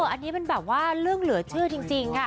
อันนี้เป็นแบบว่าเรื่องเหลือเชื่อจริงค่ะ